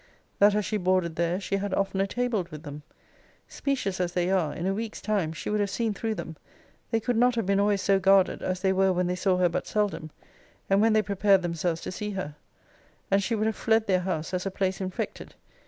that as she boarded there, she had oftener tabled with them! Specious as they are, in a week's time, she would have seen through them; they could not have been always so guarded, as they were when they saw her but seldom, and when they prepared themselves to see her; and she would have fled their house as a place infected.